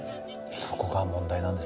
そこが問題なんです